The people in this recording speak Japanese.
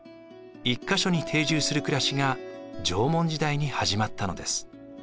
１か所に定住する暮らしが縄文時代に始まったのです。